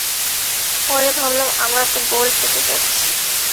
পরে ভাবলাম আমরা তো গোল্ড পেতে যাচ্ছি।